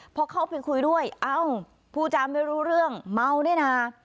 พอเข้าไปคุยด้วยเอ้าผู้จำไม่รู้เรื่องเมาเนี่ยนะ